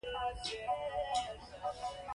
مسؤل سړي و ویل په ما پسې راشئ.